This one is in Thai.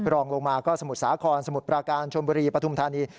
รองลงมาก็สมุทรสาครสมุทรปราการชมบุรีปฐุมธานี